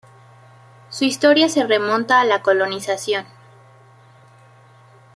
Su historia se remonta a la colonización.